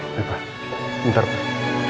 oke pak ntar pak